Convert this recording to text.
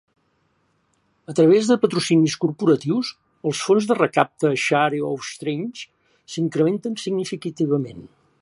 A través de patrocinis corporatius, els fons que recapta Share Our Strength s'incrementen significativament.